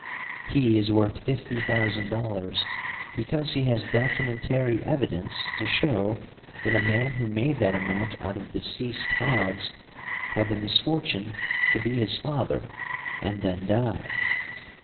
He is worth $50,000, because he has documentary evidence to show that a man who made that amount out of deceased hogs, had the misfortune to be his father and then die.